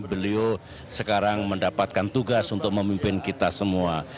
beliau sekarang mendapatkan tugas untuk memimpin kita semua